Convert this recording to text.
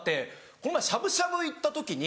この前しゃぶしゃぶ行った時に。